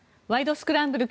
スクランブル」